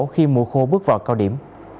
khi mùa khô bước vào cao điểm